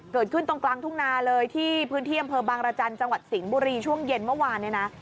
เกิดขึ้นตรงกลางทุ่งนาเลยที่พื้นที่อำเภอบางรจันทร์จังหวัดสิงห์บุรีช่วงเย็นเมื่อวานเนี่ยนะ